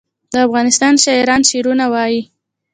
د افغانستان شاعران شعرونه وايي